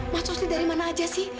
mas rusli dari mana aja sih